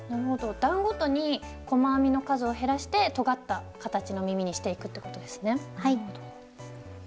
段ごとに細編みの数を減らしてとがった形の耳にしていくってことですね。